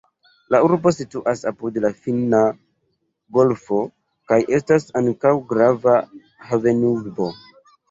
La urbo situas apud la Finna golfo kaj estas ankaŭ grava havenurbo.